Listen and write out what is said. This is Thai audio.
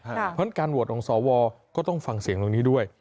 เพราะฉะนั้นการโหวตของสวก็ต้องฟังเสียงตรงนี้ด้วย